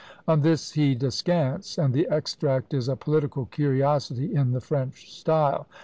On this he descants; and the extract is a political curiosity in the French style!